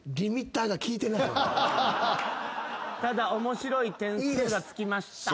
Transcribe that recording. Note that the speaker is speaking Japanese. ただ面白い点数がつきました。